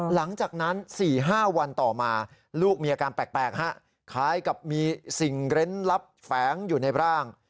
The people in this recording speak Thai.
หลังจากนั้น๔๕วันต่อมาลูกมีอาการแปลกคล้ายกับมีสิ่งเล่นลับแฝงอยู่ในร่าง